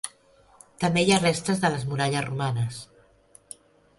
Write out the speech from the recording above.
També hi ha restes de les muralles romanes.